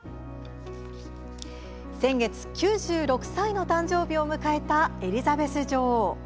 先月、９６歳の誕生日を迎えたエリザベス女王。